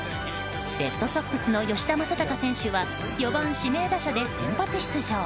レッドソックスの吉田正尚選手は４番指名打者で先発出場。